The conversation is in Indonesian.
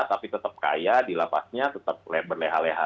tapi tetap kaya dilapasnya tetap berleha leha